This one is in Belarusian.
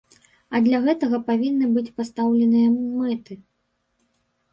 А для гэтага павінны быць пастаўленыя мэты.